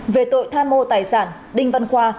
về tội tha mô tài sản đinh văn khoa